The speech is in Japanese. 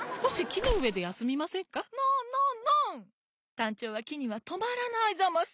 タンチョウはきにはとまらないざます。